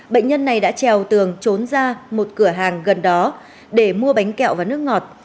bệnh nhân này đã trèo tường trốn ra một cửa hàng gần đó để mua bánh kẹo và nước ngọt